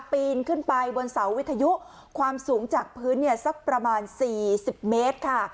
ปีนขึ้นไปบนเสาวิทยุความสูงจากพื้นเนี่ยสักประมาณ๔๐เมตรค่ะ